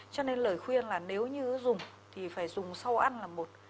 cho nên lời khuyên là nếu như dùng thì phải dùng sau ăn là một